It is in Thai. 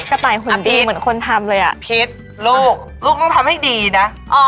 อับพิษพิษลูกลูกต้องทำให้ดีนะอ๋อ